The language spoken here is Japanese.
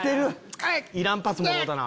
いらんパスもろうたな。